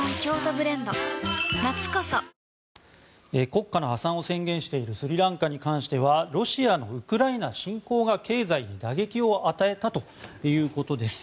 国家の破産を宣言しているスリランカに関してはロシアのウクライナ侵攻が経済に打撃を与えたということです。